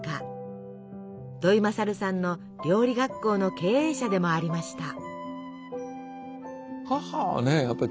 土井勝さんの料理学校の経営者でもありました。